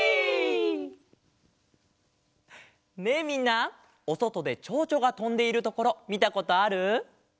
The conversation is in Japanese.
みんなおそとでちょうちょがとんでいるところみたことある？